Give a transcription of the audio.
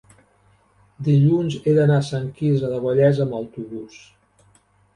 dilluns he d'anar a Sant Quirze del Vallès amb autobús.